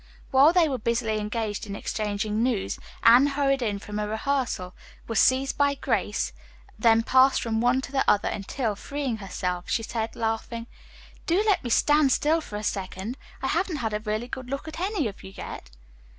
While they were busily engaged in exchanging news, Anne hurried in from a rehearsal, was seized by Grace, then passed from one to the other until, freeing herself, she said, laughing: "Do let me stand still for a second. I haven't had a really good look at any of you yet."